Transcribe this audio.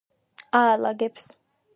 აალაგებს